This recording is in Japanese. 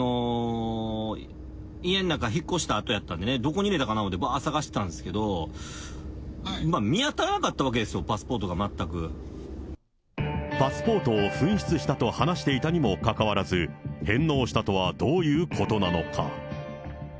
家ん中、引っ越したあとやったんでね、どこに入れたかなおもてばーっと捜してたんですけど、見当たらんかったわけですよ、パスポパスポートを紛失したと話していたにもかかわらず、返納したとはどういうことなのか。